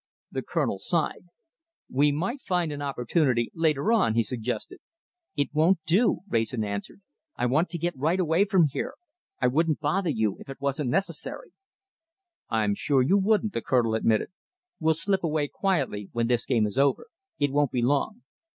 The Colonel sighed. "We might find an opportunity later on," he suggested. "It won't do," Wrayson answered. "I want to get right away from here. I wouldn't bother you if it wasn't necessary." "I'm sure you wouldn't," the Colonel admitted. "We'll slip away quietly when this game is over. It won't be long.